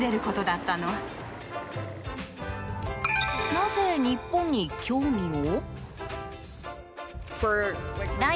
なぜ日本に興味を？